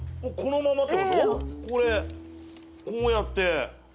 これこうやって。